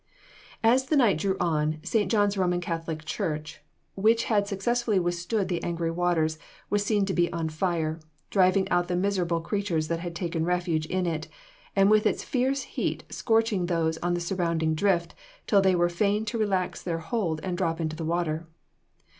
As the night drew on, St. John's Roman Catholic church which had successfully withstood the angry waters, was seen to be on fire, driving out the miserable creatures that had taken refuge in it, and with its fierce heat scorching those on the surrounding drift, till they were fain to relax their hold and drop into the water.